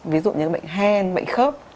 ví dụ như là bệnh hen bệnh khớp